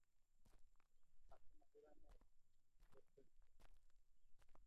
Asi magibenek chi, Utweng’ung’